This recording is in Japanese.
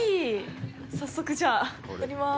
早速、じゃあ乗ります。